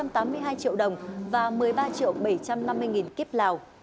một trăm tám mươi hai triệu đồng và một mươi ba triệu bảy trăm năm mươi nghìn kiếp lào